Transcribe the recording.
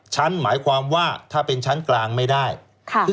ชั้นหมายความว่าถ้าเป็นชั้นกลางที่ไม่ได้